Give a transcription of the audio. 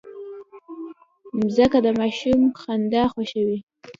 مځکه د ماشوم خندا خوښوي.